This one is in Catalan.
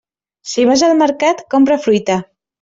Si vas al mercat, compra fruita.